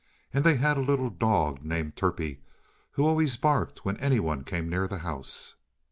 And they had a little dog named Turpie who always barked when anyone came near the house.